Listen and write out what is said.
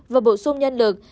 và bổ sung nhân lực